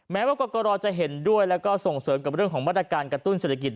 แม้ว่ากรกรจะเห็นด้วยแล้วก็ส่งเสริมกับเรื่องของมาตรการกระตุ้นเศรษฐกิจ